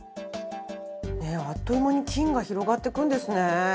あっという間に菌が広がっていくんですね。